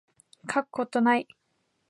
書くことない